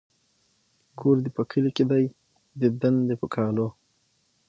ـ کور دې په کلي کې دى ديدن د په کالو.